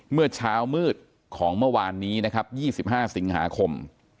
เมื่อเช้ามืดของเมื่อวานนี้นะครับ๒๕สิงหาคม